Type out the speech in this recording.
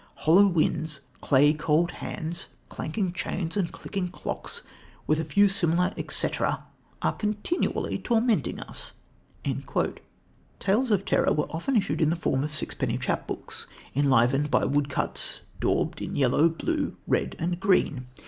Hollow winds, clay cold hands, clanking chains and clicking clocks, with a few similar etcetera are continually tormenting us." Tales of terror were often issued in the form of sixpenny chapbooks, enlivened by woodcuts daubed in yellow, blue, red and green.